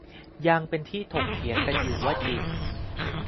ยังเป็นที่ถกเถียงกันอยู่ว่าจริง